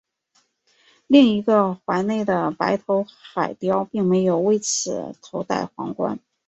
另一个环内的白头海雕并没有为此头戴皇冠。